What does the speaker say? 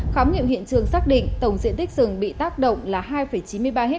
khám nghiệm hiện trường xác định tổng diện tích rừng bị tác động là hai chín mươi ba ha